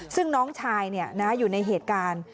ซึ่งน้องชายอยู่ในเหตุการณ์